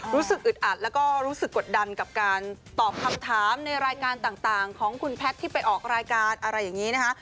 รู้สึกอึดอัดแล้วก็รู้สึกกดดันกับการตอบคำถามในรายการต่างของคุณแพทย์ที่ไปออกรายการอะไรอย่างนี้นะคะ